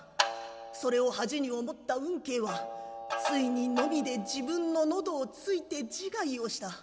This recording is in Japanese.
それを恥に思った雲渓はついにノミで自分の喉を突いて自害をした。